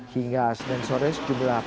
hingga senin sore sejumlah